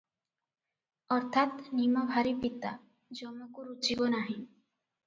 ଅର୍ଥାତ୍ ନିମ ଭାରି ପିତା, ଯମକୁ ରୁଚିବ ନାହିଁ ।